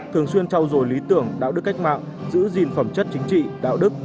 thường xuyên trao dồi lý tưởng đạo đức cách mạng giữ gìn phẩm chất chính trị đạo đức